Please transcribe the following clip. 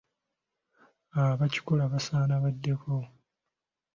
Abakikola basaana beddeko.